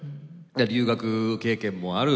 留学経験もある